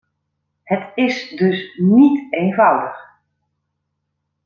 Het is dus niet eenvoudig.